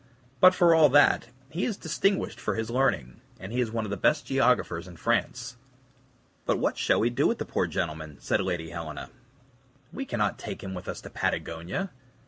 But for all that, he is distinguished for his learning, and he is one of the best geographers in France." "But what shall we do with the poor gentleman?" said Lady Helena; "we can't take him with us to Patagonia."